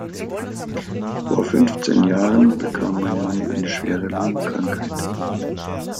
Vor fünfzehn Jahren bekam mein Mann eine schwere Lungenkrankheit.